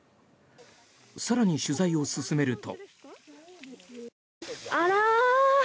更に、取材を進めると。